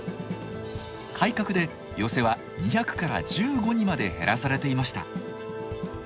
改革で寄席は２００から１５にまで減らされていました。